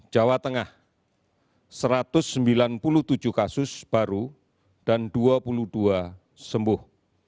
jawa tengah satu ratus sembilan puluh tujuh kasus baru dan dua puluh dua sembuh